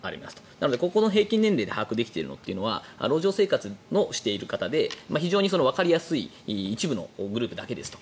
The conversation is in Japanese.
なので、ここの平均年齢として把握できているのは路上生活者とという非常にわかりやすい一部のグループだけですと。